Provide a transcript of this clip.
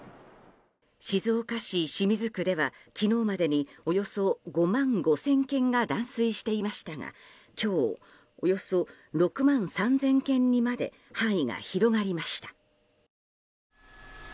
静岡市清水区では昨日までにおよそ５万５０００軒が断水していましたが今日およそ６万３０００軒にまで範囲が広がりました。